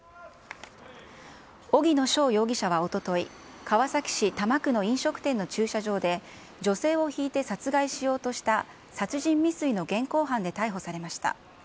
荻野翔容疑者はおととい、川崎市多摩区の飲食店の駐車場で、女性をひいて殺害しようとした殺人未遂の現行犯で逮捕されました。